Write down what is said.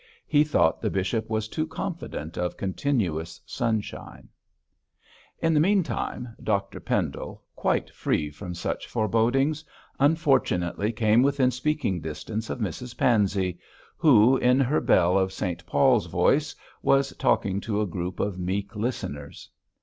He thought the bishop was too confident of continuous sunshine. In the meantime, Dr Pendle, quite free from such forebodings, unfortunately came within speaking distance of Mrs Pansey, who, in her bell of St Paul's voice, was talking to a group of meek listeners.